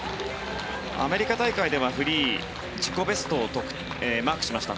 アメリカ大会ではフリーで自己ベストをマークしました。